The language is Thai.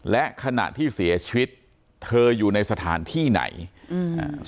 และขณะที่เสียชีวิตเธออยู่ในสถานที่ไหนอืมอ่า